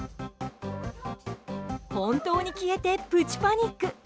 本当に消えて、プチパニック。